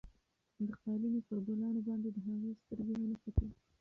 د قالینې پر ګلانو باندې د هغې سترګې ونښتې.